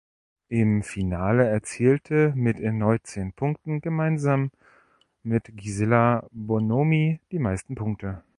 Im Finale erzielte mit erneut zehn Punkten gemeinsam mit Gisella Bonomi die meisten Punkte.